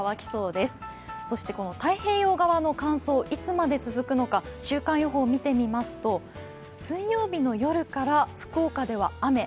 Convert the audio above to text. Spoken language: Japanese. そしてこの太平洋側の乾燥いつまで続くのか週間予報を見ていきますと水曜日の夜から福岡では雨。